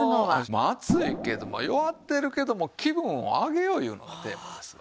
暑いけども弱ってるけども気分を上げよういうのがテーマですわ。